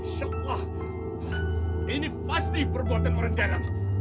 sampai jumpa di video selanjutnya